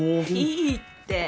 いいって。